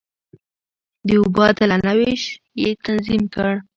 د اوبو عادلانه وېش يې تنظيم کړ.